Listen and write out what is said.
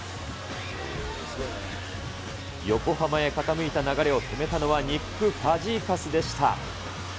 横浜へ傾いた流れを止めたのはニック・ファジーカスでした。